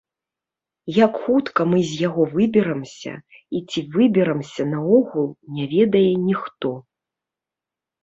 Як хутка мы з яго выберамся і ці выберамся наогул, не ведае ніхто.